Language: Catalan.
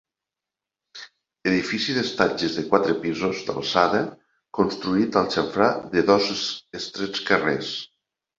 Edifici d'estatges de quatre pisos d'alçada, construït al xamfrà de dos estrets carrers.